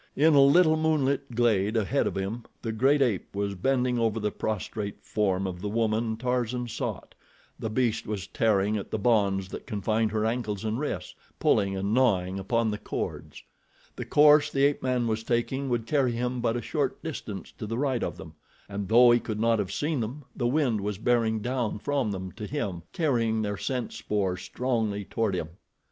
In a little moonlit glade ahead of him the great ape was bending over the prostrate form of the woman Tarzan sought. The beast was tearing at the bonds that confined her ankles and wrists, pulling and gnawing upon the cords. The course the ape man was taking would carry him but a short distance to the right of them, and though he could not have seen them the wind was bearing down from them to him, carrying their scent spoor strongly toward him.